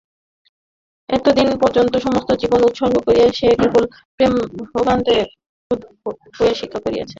এতদিন পর্যন্ত সমস্ত জীবন উৎসর্গ করিয়া সে কেবল প্রেমভাণ্ডারের খুদকুঁড়া ভিক্ষা করিতেছিল।